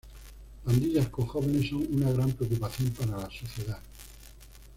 Pandillas con jóvenes son una gran preocupación para la sociedad.